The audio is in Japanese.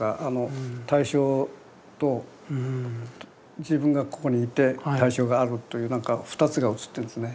対象と自分がここにいて対象があるという何か２つが写ってるんですね。